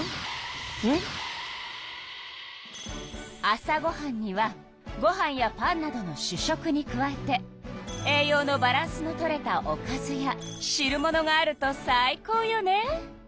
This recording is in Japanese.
朝ごはんにはごはんやパンなどの主食に加えて栄養のバランスのとれたおかずや汁物があると最高よね。